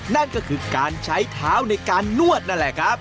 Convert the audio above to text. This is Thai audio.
นั่นก็คือการใช้เท้าในการนวดนั่นแหละครับ